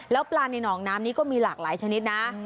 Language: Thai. แล้วปลาในหนองน้ำนี้ก็มีหลากหลายชนิดนะ